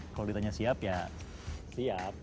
kalau ditanya siap ya siap